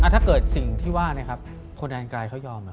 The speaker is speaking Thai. ถ้าเกิดสิ่งที่ว่าเนี่ยครับคนแอนไกรเขายอมหรือ